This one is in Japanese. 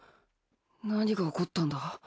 何が起こったんだ？